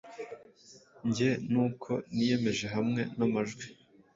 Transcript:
Njye, nkuko niyemeje, hamwe namajwi